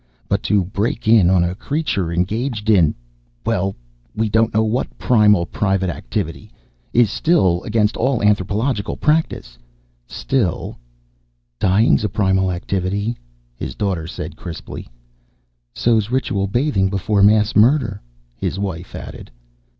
But to break in on a creature engaged in well, we don't know what primal private activity is against all anthropological practice. Still " "Dying's a primal activity," his daughter said crisply. "So's ritual bathing before mass murder," his wife added.